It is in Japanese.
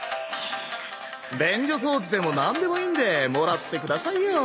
便所掃除でも何でもいいんでもらってくださいよ。